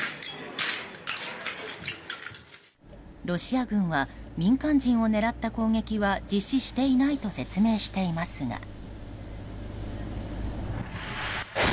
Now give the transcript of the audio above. ロシア軍は民間人を狙った攻撃は実施していないと説明していますが。